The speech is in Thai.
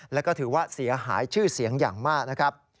และก็ถือว่าเสียหายชื่อเสียงอย่างมาก